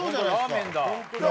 ラーメンだ。